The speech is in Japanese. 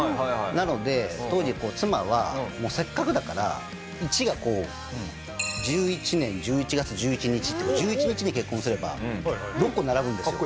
なので当時こう妻はもうせっかくだから１がこう１１年１１月１１日って１１日に結婚すれば６個並ぶんですよ。